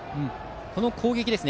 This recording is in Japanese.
この攻撃ですね。